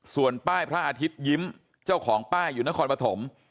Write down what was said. ส่วนป้ายพระอาทิตยิ้มเจ้าของป้ายอยู่นครปฐม